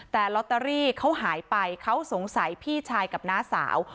แต่ลอตเตอรี่เขาหายไปเขาสงสัยพี่ชายกับน้าสาว